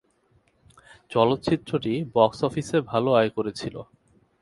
চলচ্চিত্রটি বক্স অফিসে ভালো আয় করেছিল।